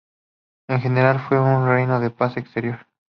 En general fue un reinado de paz exterior.